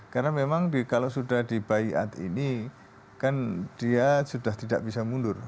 karena memang kalau sudah dibayat ini kan dia sudah tidak bisa mundur